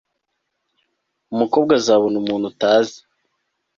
Umukobwa azabona umuntu utazi